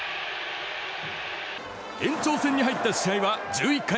延長戦に入った試合は１１回。